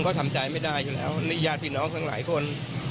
ก็ทำใจไม่ได้อยู่แล้วนี่ญาติพี่น้องทั้งหลายคน